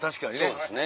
そうですね。